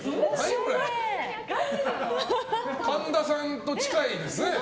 神田さんと近いですね。